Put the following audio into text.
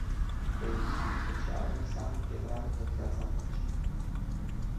Coeziune socială înseamnă integrare pe piața muncii.